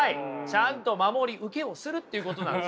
ちゃんと守り受けをするっていうことなんです。